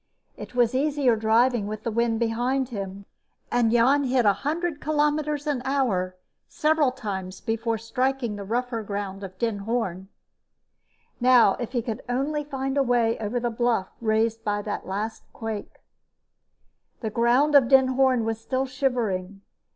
It was easier driving with the wind behind him, and Jan hit a hundred kilometers an hour several times before striking the rougher ground of Den Hoorn. Now, if he could only find a way over the bluff raised by that last quake.... The ground of Den Hoorn was still shivering.